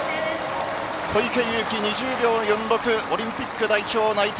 小池祐貴、２０秒４６、オリンピック代表内定。